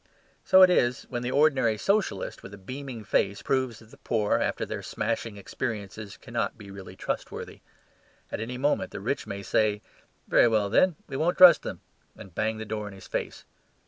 So it is when the ordinary Socialist, with a beaming face, proves that the poor, after their smashing experiences, cannot be really trustworthy. At any moment the rich may say, "Very well, then, we won't trust them," and bang the door in his face.